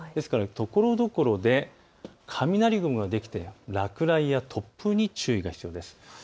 ところどころで雷雲ができて落雷や突風に注意が必要です。